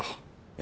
え？